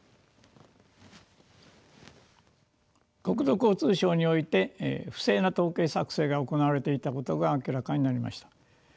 国土交通省において不正な統計作成が行われていたことが明らかになりました。